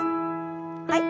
はい。